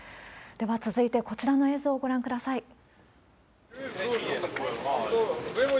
では、続いてこちらの映像をご覧ください。